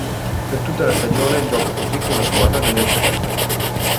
Per tutta la stagione gioca così con la squadra delle riserve.